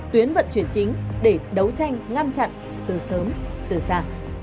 tuyến vận chuyển chính để đấu tranh ngăn chặn từ sớm từ xa